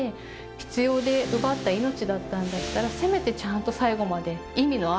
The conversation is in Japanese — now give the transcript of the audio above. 必要で奪った命だったんだったらせめてちゃんと最後まで。